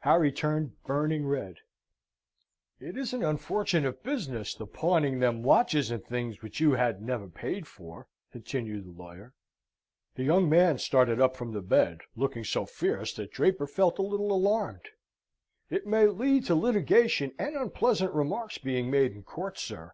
Harry turned burning red. "It is an unfortunate business, the pawning them watches and things which you had never paid for," continued the lawyer. The young man started up from the bed, looking so fierce that Draper felt a little alarmed. "It may lead to litigation and unpleasant remarks being made, in court, sir.